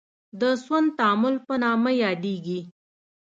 د سون تعامل په نامه یادیږي.